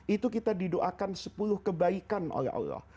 itu kita didoakan sepuluh kebaikan oleh allah